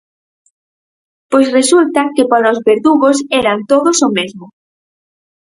Pois resulta que para os verdugos eran todos o mesmo.